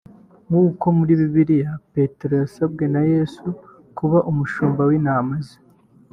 nk’uko muri bibiliya Petero yasabwe na Yezu kuba umushumba w’intama ze